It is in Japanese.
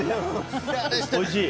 おいしい？